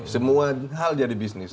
semua hal jadi bisnis